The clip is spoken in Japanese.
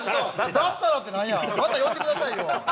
だったらってなんや、また呼んでくださいよ。